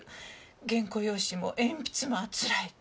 原稿用紙も鉛筆もあつらえて。